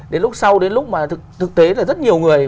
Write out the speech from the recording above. đến lúc sau đến lúc mà thực tế là rất nhiều người